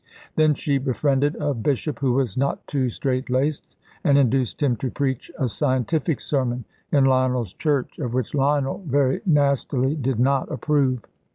Then she befriended a bishop, who was not too straight laced, and induced him to preach a scientific sermon in Lionel's church, of which Lionel, very nastily, did not approve.